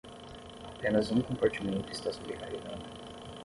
Apenas um compartimento está sobrecarregado